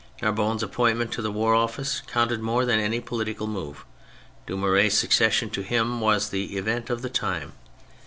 Narbonne's appointment to the Ik War Oiiice counted more than any political move, Dumouriez' succession to him was the event of the time.